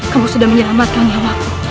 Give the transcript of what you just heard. kamu sudah menyelamatkan nyawamu